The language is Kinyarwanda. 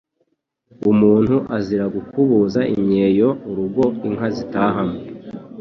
Umuntu azira gukubuza imyeyo urugo inka zitahamo ,